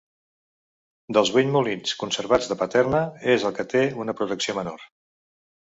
Dels vuit molins conservats de Paterna, és el que té una protecció menor.